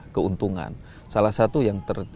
keuntungan salah satu yang